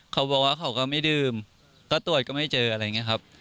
เขาบอกว่าเขาก็ไม่ดื่มก็ตรวจก็ไม่เจออะไรอย่างนี้ครับ